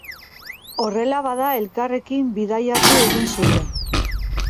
Horrela bada, elkarrekin bidaiatu egin zuten.